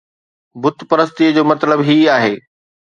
بت پرستيءَ جو مطلب هي آهي